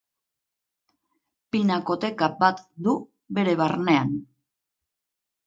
Pinakoteka bat du bere barnean.